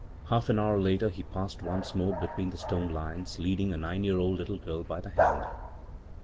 Hali an hour later he passed once more between the stone lions, leading a nine yearnsld little girl by the hand.